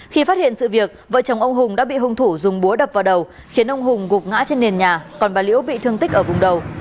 khi phát hiện sự việc vợ chồng ông hùng đã bị hung thủ dùng búa đập vào đầu khiến ông hùng gục ngã trên nền nhà còn bà liễu bị thương tích ở vùng đầu